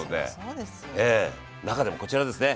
中でもこちらですね。